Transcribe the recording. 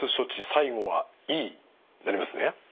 最後はＥになりますね。